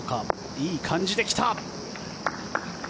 いい感じで来た。